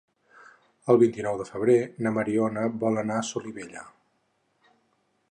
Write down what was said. El vint-i-nou de febrer na Mariona vol anar a Solivella.